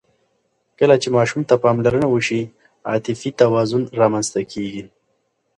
کله چې ماشوم ته پاملرنه وشي، عاطفي توازن رامنځته کېږي.